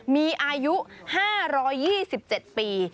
มีอายุ๕๒๗ปี